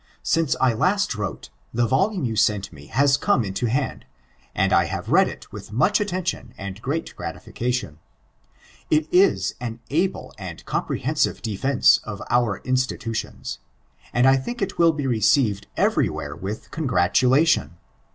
Since I wrote last, the volume yon sent me has come to hand, and I have read it with moch attention ud great gratification. It is an able and comprehensive defence of onr Institations, and I think it wiU be received eveiy where with oongratolation.